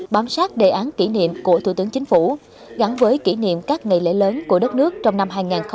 bám sát đề án kỷ niệm của thủ tướng chính phủ gắn với kỷ niệm các ngày lễ lớn của đất nước trong năm hai nghìn hai mươi